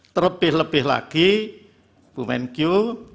terlebih lebih lagi bu menkyu